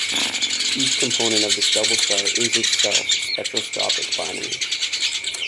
Each component of this double star is itself a spectroscopic binary.